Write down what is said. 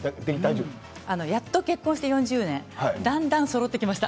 結婚して４０年だんだんそろってきました。